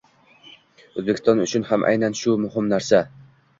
O‘zbekiston uchun ham aynan shu narsa muhim: